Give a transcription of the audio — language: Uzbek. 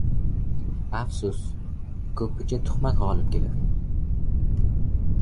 • Afsus, ko‘pincha tuhmat g‘olib keladi.